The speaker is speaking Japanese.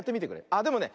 あでもね